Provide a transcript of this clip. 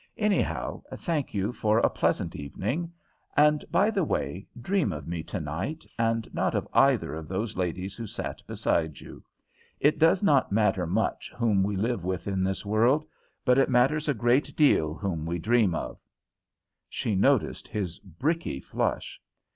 "Anyhow, thank you for a pleasant evening. And, by the way, dream of me tonight, and not of either of those ladies who sat beside you. It does not matter much whom we live with in this world, but it matters a great deal whom we dream of." She noticed his bricky flush.